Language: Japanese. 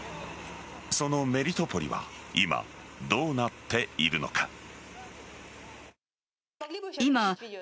そのメリトポリは今、どうなっているのか。